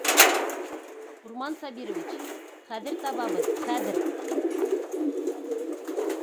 Усман Сабирович, хәҙер табабыҙ, хәҙер!